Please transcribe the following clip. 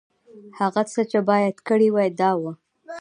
هغه څه چې باید کړي مې وای، دا و.